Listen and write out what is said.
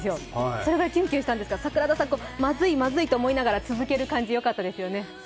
それくらいキュンキュンしたんですけど、桜田さん、まずいまずいと言いながら続ける感じ、よかったですよね。